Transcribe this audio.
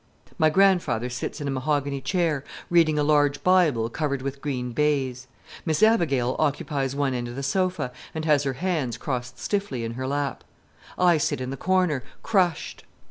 My grandfather sits in a mahogany chair, reading a large Bible covered with green baize. Miss Abigail occupies one end of the sofa, and has her hands crossed stiffly in her lap. I sit in the corner, crushed.